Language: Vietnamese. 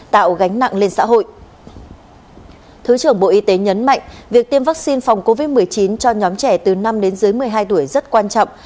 thứ trưởng bộ y tế nhấn mạnh việc tiêm vaccine phòng covid một mươi chín cho nhóm trẻ từ năm đến dưới một mươi hai tuổi rất quan trọng